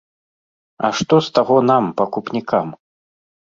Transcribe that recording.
А што з таго нам, пакупнікам?